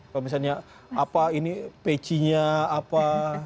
kalau misalnya apa ini pecinya apa